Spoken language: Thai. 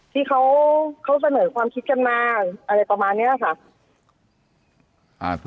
ที่เขาเสนอความคิดกันมาอะไรประมาณนี้ค่ะ